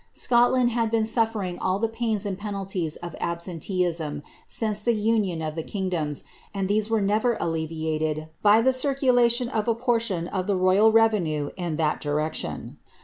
Scotland had been su&ring all the pains and penalties of absenteeism since the union of the kingdoms, ind these were never alleviated by the circulation of a portion of the royal revenue in that direction.